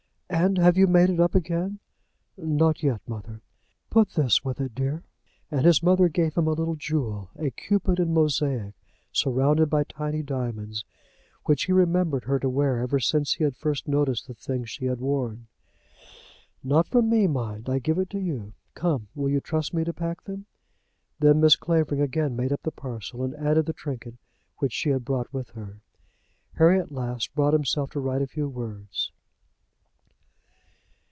"And have you made it up again?" "Not yet, mother." "Put this with it, dear." And his mother gave him a little jewel, a cupid in mosaic surrounded by tiny diamonds, which he remembered her to wear ever since he had first noticed the things she had worn. "Not from me, mind. I give it to you. Come; will you trust me to pack them?" Then Mrs. Clavering again made up the parcel, and added the trinket which she had brought with her. Harry at last brought himself to write a few words.